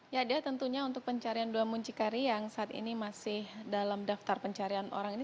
ya dia tentunya untuk pencarian dua muncikari yang saat ini masih dalam daftar pencarian orang ini